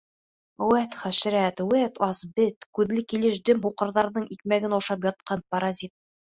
— Үәт, хәшәрәт, үәт, ас бет, күҙле килеш дөм һуҡырҙарҙың икмәген ашап ятҡан паразит.